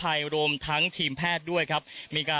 แล้วถ้ายังไม่ได้ทำ